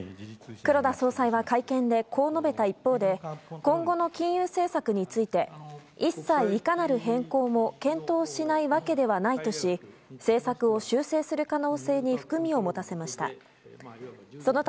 黒田総裁は会見でこう述べた一方で今後の金融政策について一切いかなる変更も検討しないわけではないとし政策を修正する可能性に含みを持たせました。